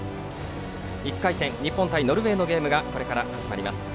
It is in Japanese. １回戦、日本対ノルウェーのゲームがこれから始まります。